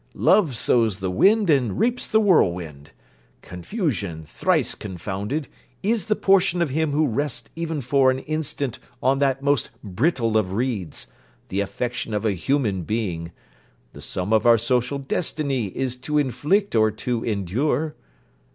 Love sows the wind and reaps the whirlwind. Confusion, thrice confounded, is the portion of him who rests even for an instant on that most brittle of reeds the affection of a human being. The sum of our social destiny is to inflict or to endure.